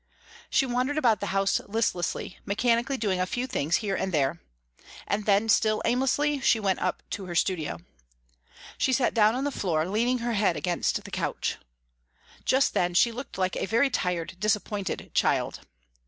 She wandered about the house listlessly, mechanically doing a few things here and there. And then, still aimlessly, she went up to her studio. She sat down on the floor, leaning her head against the couch. Just then she looked like a very tired, disappointed child.